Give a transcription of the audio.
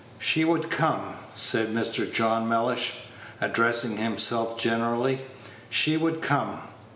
"She would come," said Mr. John Mellish, addressing himself generally; "she would come.